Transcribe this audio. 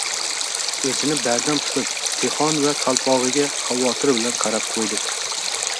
oʻzini bardam tutib Tixon va qalpogʻiga xavotir bilan qarab qoʻydi.